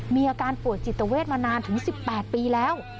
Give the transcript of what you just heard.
มีอาการป่วยจิตเวทมานานถึง๑๘ปีแล้ว